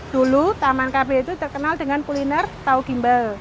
dulu taman kb itu terkenal dengan kuliner tau gimbal